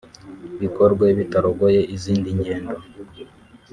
bikorwe bitarogoye izindi ngendo